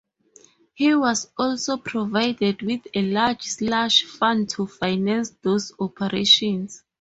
He was also provided with a large slush fund to finance these operations.